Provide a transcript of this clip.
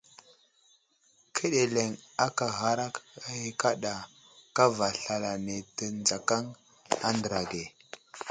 Ka ɗeleŋ aka ghar kaɗa kava slalane tə nzakaŋ a andra ge.